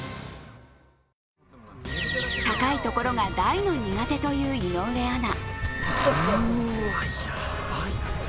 高いところが大の苦手という井上アナ。